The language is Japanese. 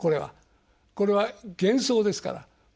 これは幻想ですから。